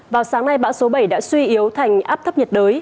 vào sáng nay bão số bảy đã suy yếu thành áp thấp nhiệt đới